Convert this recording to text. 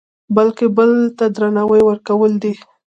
بلکې بل ته درناوی ورکول دي.